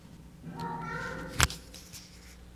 پټي به وتره نه شول نو راتلونکی کال به سخت وي.